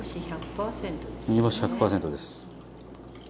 煮干し１００％です。